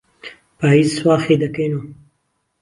پاییز سواخی دهکهینۆ